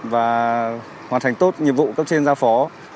và hoàn thành tốt nhiệm vụ cấp trên giao phó